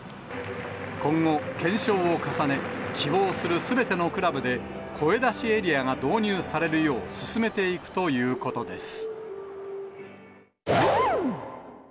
今後、検証を重ね、希望するすべてのクラブで、声出しエリアが導入されるよう、進めていくということです。